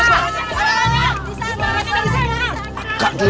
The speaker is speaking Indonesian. akal juga saya